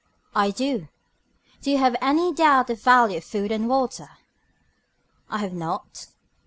I do. Do you have any doubt of the value of food and water. I have not.